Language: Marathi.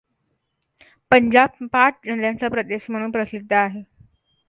पंजाब पाच नद्यांचा प्रदेश म्हणून प्रसिद्ध आहे.